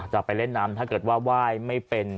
จะไปเล่นน้ำถ้าเกิดว่าไหว้ไม่เป็น